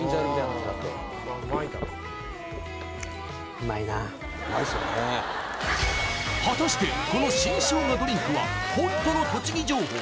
うまいっすよね果たしてこの新生姜ドリンクはホントの栃木情報？